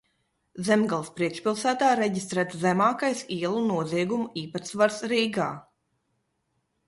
Zemgales priekšpilsētā reģistrēts zemākais ielu noziegumu īpatsvars Rīgā.